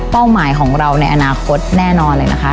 หมายของเราในอนาคตแน่นอนเลยนะคะ